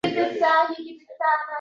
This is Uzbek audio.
Baxtiga ko'ylak...